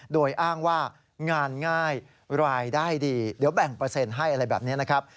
โดยอ้างว่างานง่ายรายได้ดีเดี๋ยวแบ่งเปอร์เซ็นต์ให้อะไรแบบนี้นะครับ